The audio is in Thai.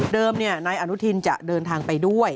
นายอนุทินจะเดินทางไปด้วย